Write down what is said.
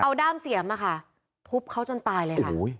เอาด้ามเสียมทุบเขาจนตายเลยค่ะ